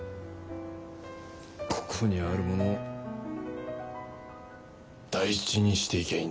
ここにあるものを大事にしていきゃいいんだ。